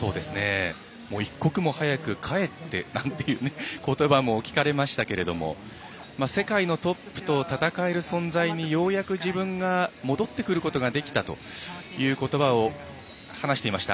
「一刻も早く帰って」なんていうことばも聞かれましたけれども世界のトップと戦える存在にようやく自分が戻ってくることができたということばを話していました。